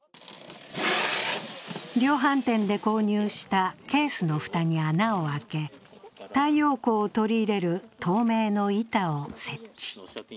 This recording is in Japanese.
量販店で購入したケースの蓋に穴を開け、太陽光を取り入れる透明の板を設置。